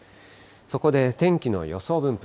そこで天気の予想分布